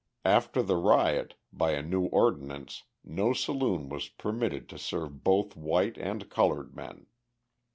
After the riot, by a new ordinance no saloon was permitted to serve both white and coloured men.